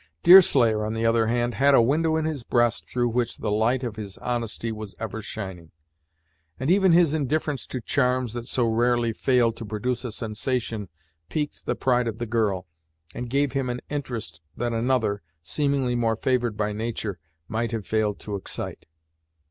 Deerslayer, on the other hand, had a window in his breast through which the light of his honesty was ever shining; and even his indifference to charms that so rarely failed to produce a sensation, piqued the pride of the girl, and gave him an interest that another, seemingly more favored by nature, might have failed to excite.